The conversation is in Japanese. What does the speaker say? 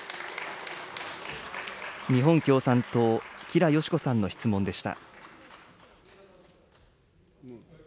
日本共産党、吉良よし子さんの質問でした。